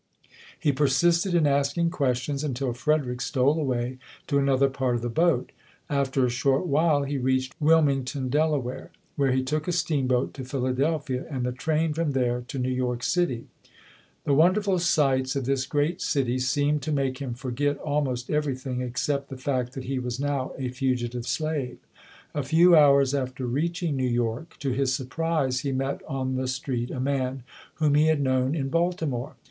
He persisted in asking questions until Frederick stole away to another part of the boat. After a short while he reached Wilmington, Dela ware, where he took a steamboat to Philadelphia, and the train from there to New York City. 28 ] UNSUNG HEROES The wonderful sights of this great city seemed to make him forget almost everything except the fact that he was now a fugitive slave. A few hours after reaching New York, to his surprise he met on the street a man whom he had known in Balti more.